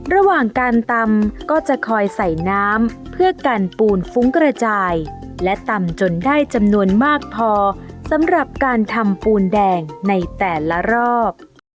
ระหว่างการตำก็จะคอยใส่น้ำเพื่อกันปูนฟุ้งกระจายและตำจนได้จำนวนมากพอสำหรับการทำปูนแดงในแต่ละรอบ